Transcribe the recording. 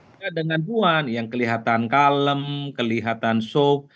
kita dengan buan yang kelihatan kalem kelihatan sok